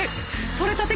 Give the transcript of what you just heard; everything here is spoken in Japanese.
採れたて